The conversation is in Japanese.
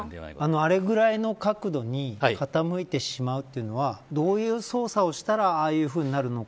あれぐらいの角度に傾いてしまうというのはどういう操作をしたらああいうふうになるのか。